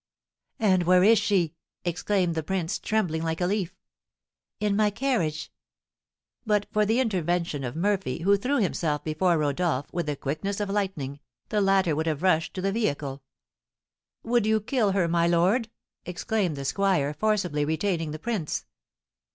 "And where is she?" exclaimed the prince, trembling like a leaf. "In my carriage." But for the intervention of Murphy, who threw himself before Rodolph with the quickness of lightning, the latter would have rushed to the vehicle. "Would you kill her, my lord?" exclaimed the squire, forcibly retaining the prince.